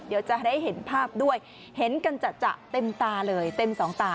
เดี๋ยวจะได้เห็นภาพด้วยเห็นกันจัดเต็มตาเลยเต็มสองตา